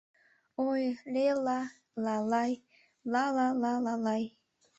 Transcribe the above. Ой, ле-ла, ла-лай, ла-ла-ла-лай.